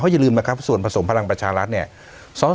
อย่าลืมนะครับส่วนผสมพลังประชารัฐเนี่ย